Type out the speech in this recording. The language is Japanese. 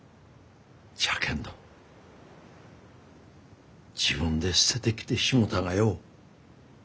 じゃけんど自分で捨ててきてしもうたがよ。